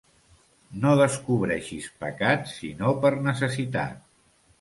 No descobreixis pecat sinó per necessitat.